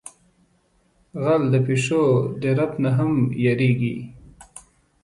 غل د پیشو درب نہ ھم یریگی.